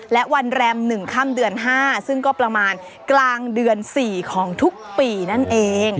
และวันแรม๑ค่ำเดือน๕ซึ่งก็ประมาณกลางเดือน๔ของทุกปีนั่นเอง